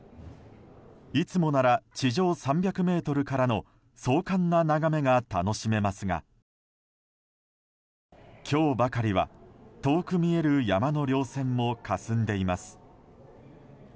いつもなら、地上３００ｍからの壮観な眺めが楽しめますが今日ばかりは遠く見える山の稜線もかすんでいます。